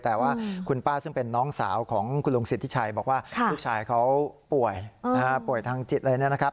แต่ว่าคุณป้าซึ่งเป็นน้องสาวของคุณลุงสิทธิชัยบอกว่าลูกชายเขาป่วยป่วยทางจิตอะไรเนี่ยนะครับ